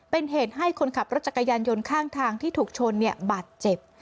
เป็นเหตุให้คนขับรถจักรยานยนต์ข้างทางที่ถูกชนบาดเจ็บ